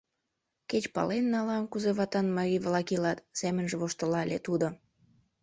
Кеч пален налам, кузе ватан марий-влак илат», — семынже воштылале тудо.